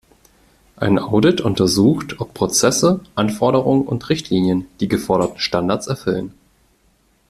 Ein Audit untersucht, ob Prozesse, Anforderungen und Richtlinien die geforderten Standards erfüllen.